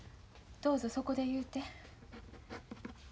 どうぞそこで言うて。